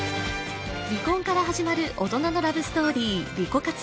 離婚から始まる大人なラブストーリー「リコカツ」